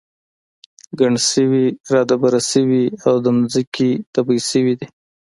ګڼ شوي را دبره شوي او د ځمکې تبی شوي دي.